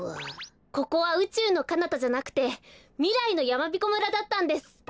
ここはうちゅうのかなたじゃなくてみらいのやまびこ村だったんです。